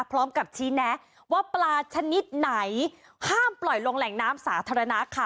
พร้อมกับชี้แนะว่าปลาชนิดไหนห้ามปล่อยลงแหล่งน้ำสาธารณะค่ะ